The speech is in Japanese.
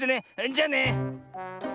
じゃあね。